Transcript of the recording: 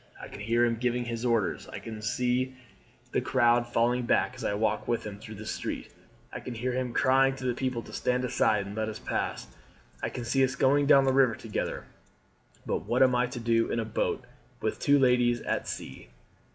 I can hear him giving his orders, I can see the crowd falling back as I walk with him through the street, I can hear him crying to the people to stand aside and let us pass, I can see us going down the river together; but what am I to do in a boat with two ladies at sea?"